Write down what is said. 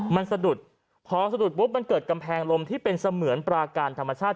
มันสะดุดพอสะดุดปุ๊บมันเกิดกำแพงลมที่เป็นเสมือนปราการธรรมชาติ